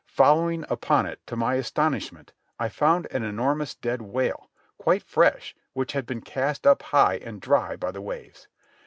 Following upon it, to my astonishment, I found an enormous dead whale, quite fresh, which had been cast up high and dry by the waves.